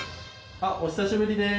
お久しぶりです。